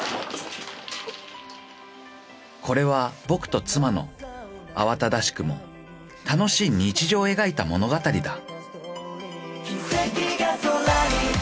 ［これは僕と妻の慌ただしくも楽しい日常を描いた物語だ］